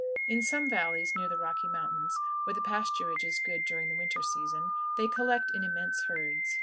In some valleys near the Rocky Mountains, where the pasturage is good during the winter season, they collect in immense herds.